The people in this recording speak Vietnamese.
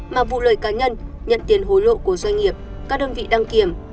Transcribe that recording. mà vụ lợi cá nhân nhận tiền hối lộ của doanh nghiệp các đơn vị đăng kiểm